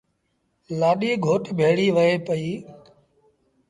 لآڏيٚ گھوٽ ڀيڙيٚ وهي پئيٚ۔